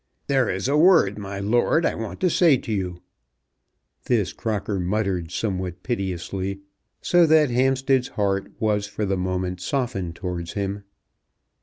"There is a word, my lord, I want to say to you." This Crocker muttered somewhat piteously, so that Hampstead's heart was for the moment softened towards him.